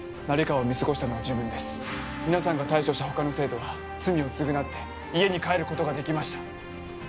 成川を見過ごしたのは自分です皆さんが対処した他の生徒は罪を償って家に帰ることができました